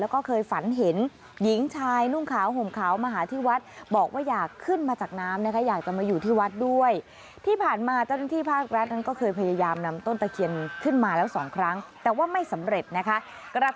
แล้วก็เคยฝันเห็นหญิงชายนุ่งขาวห่มขาวมาหาที่วัด